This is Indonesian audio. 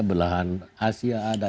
belahan asia ada